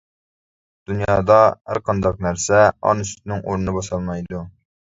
دۇنيادا ھەرقانداق نەرسە ئانا سۈتىنىڭ ئورنىنى باسالمايدۇ.